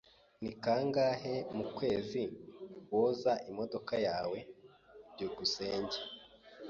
Ni kangahe mu kwezi woza imodoka yawe? byukusenge